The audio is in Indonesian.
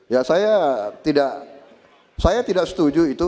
ya saya tidak setuju itu